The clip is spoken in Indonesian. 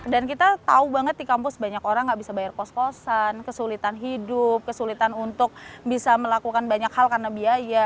dan kita tahu banget di kampus banyak orang nggak bisa bayar kos kosan kesulitan hidup kesulitan untuk bisa melakukan banyak hal karena biaya